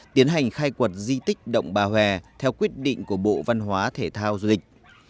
tiến hành khai quật di tích động bà hòe theo quyết định của bộ văn hóa thể thao du lịch